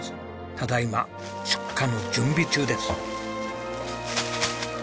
ただ今出荷の準備中です。